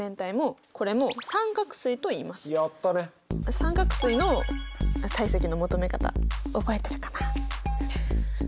三角錐の体積の求め方覚えてるかな？